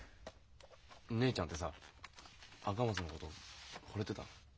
姉ちゃんってさ赤松のことほれてたの？